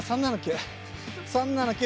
３７９！